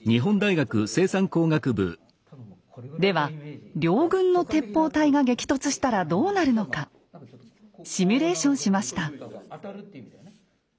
では両軍の鉄砲隊が激突したらどうなるのかシミュレーションしました。